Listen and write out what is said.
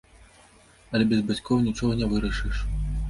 Але без бацькоў нічога не вырашыш.